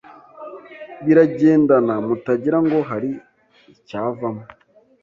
Biragendana mutagira ngo hari icyavamo